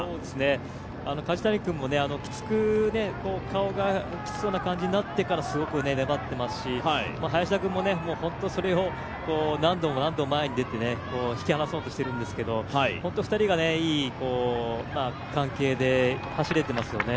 梶谷君も顔がきつそうな感じになってからすごく粘ってますし、林田君も本当にそれを何度も何度も前に出て引き離そうとしているんですけど２人がいい関係で走れていますよね